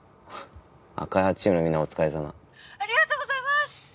開発チームのみんなお疲れさまありがとうございます！